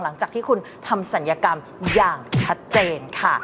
หลังจากที่คุณทำศัลยกรรมอย่างชัดเจนค่ะ